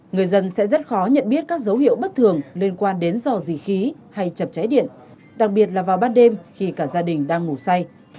người dân sẽ rất khó nhận biết các dấu hiệu bất thường liên quan đến dò dỉ khí hay chập cháy điện đặc biệt là vào ban đêm khi cả gia đình đang ngủ say